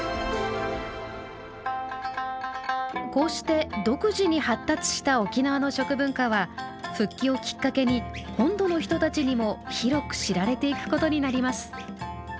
こうして独自に発達した沖縄の食文化は復帰をきっかけに本土の人たちにも広く知られていくことになります。